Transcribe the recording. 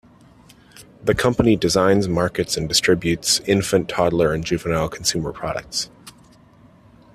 The company designs, markets and distributes infant, toddler and juvenile consumer products.